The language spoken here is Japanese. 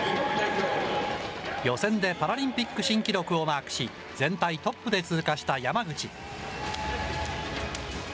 予選でパラリンピック新記録をマークし、全体トップで通過した山口。